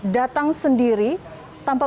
datang sendiri tanpa